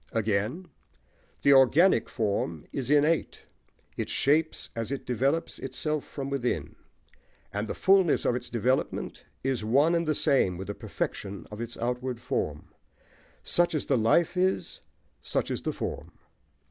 Again The organic form is innate: it shapes, as it develops, itself from within, and the fulness of its development is one and the same with the perfection of its outward form. Such as the life is, such is the form.